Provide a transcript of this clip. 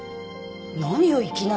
何よいきなり。